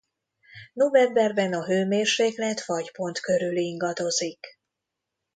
Novemberben a hőmérséklet fagypont körül ingadozik.